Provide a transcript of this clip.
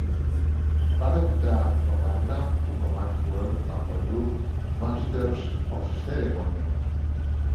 Va debutar com a Grand Puba Maxwell amb el grup Masters of Ceremony.